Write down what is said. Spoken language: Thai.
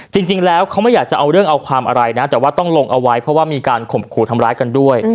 จริงแล้วเขาไม่อยากจะเอาเรื่องเอาความอะไรนะแต่ว่าต้องลงเอาไว้เพราะว่ามีการข่มขู่ทำร้ายกันด้วย